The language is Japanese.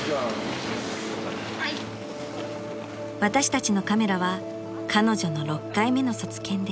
［私たちのカメラは彼女の６回目の卒検で］